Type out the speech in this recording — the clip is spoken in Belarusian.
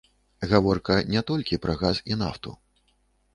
Гаворка не толькі пра газ і нафту.